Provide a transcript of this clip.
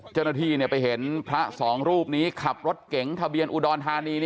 เจ้าหน้าที่ไปเห็นพระสองรูปนี้ขับรถเก๋งทะเบียนอุดรธานี